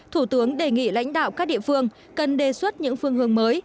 thủ tướng đề nghị lãnh đạo các địa phương cần đề xuất những phương hướng mới